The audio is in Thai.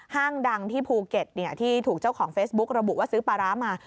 ห้างดังที่ภูเก็ตที่ถูกเจ้าของเฟซบุ๊กระบุว่าซื้อปลาร้ามา